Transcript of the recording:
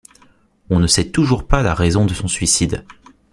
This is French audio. On ne sait toujours pas la raison de son suicide.